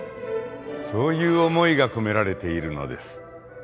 そういう思いが込められているのです。